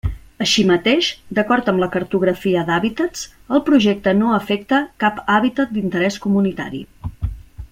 Així mateix, d'acord amb la cartografia d'hàbitats el projecte no afecta cap hàbitat d'interès comunitari.